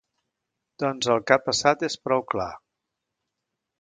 Doncs el que ha passat és prou clar.